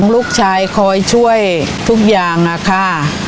ลูกชายคอยช่วยทุกอย่างนะคะ